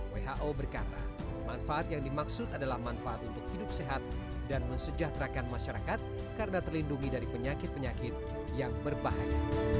who berkata manfaat yang dimaksud adalah manfaat untuk hidup sehat dan mensejahterakan masyarakat karena terlindungi dari penyakit penyakit yang berbahaya